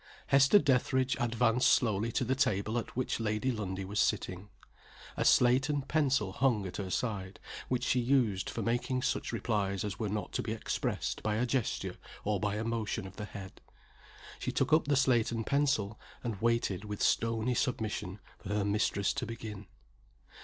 Hester Dethridge advanced slowly to the table at which Lady Lundie was sitting. A slate and pencil hung at her side, which she used for making such replies as were not to be expressed by a gesture or by a motion of the head. She took up the slate and pencil, and waited with stony submission for her mistress to begin.